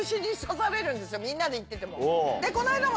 みんなで行ってても。